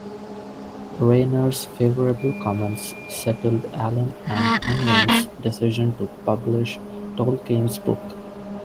Rayner's favourable comments settled Allen and Unwin's decision to publish Tolkien's book.